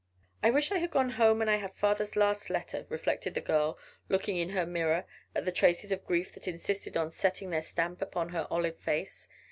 "I wish I had gone home when I had father's last letter," reflected the girl, looking in her mirror at the traces of grief that insisted on setting their stamp upon her olive face.